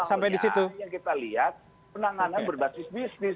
karena penanganan awalnya hari ini yang kita lihat penanganan berbasis bisnis